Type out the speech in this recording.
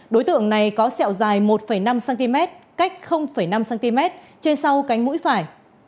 đối tượng này có sẹo dài một năm cm cách năm cm trên sau cánh mũi phải